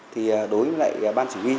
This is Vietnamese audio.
thì đối với lại ban chỉ huy